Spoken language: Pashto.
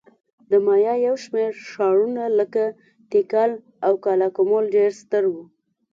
د مایا یو شمېر ښارونه لکه تیکال او کالاکمول ډېر ستر وو